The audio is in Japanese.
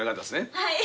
はい。